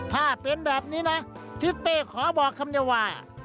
ถ้าเป็นแบบนี้นะทิศเป้ขอบอกคำเดียวว่า